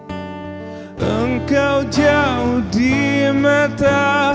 engkau jauh di mata